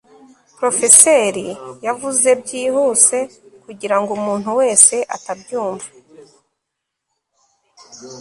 porofeseri yavuze byihuse kugirango umuntu wese atabyumva